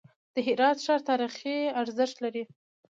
د هرات ښار تاریخي ارزښت لري.